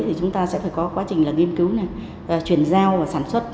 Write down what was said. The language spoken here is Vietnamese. thì chúng ta sẽ phải có quá trình nghiên cứu truyền giao và sản xuất